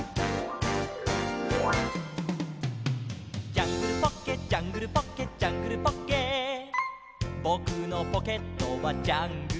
「ジャングルポッケジャングルポッケ」「ジャングルポッケ」「ぼくのポケットはジャングルだ」